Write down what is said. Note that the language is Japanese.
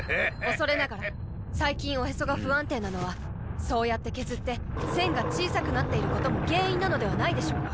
恐れながら最近おへそが不安定なのはそうやって削って栓が小さくなっていることも原因なのではないでしょうか？